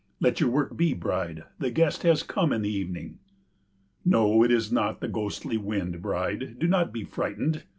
Let your work be, bride, the guest has come in the evening. No, it is not the ghostly wind, bride, do not be frightened.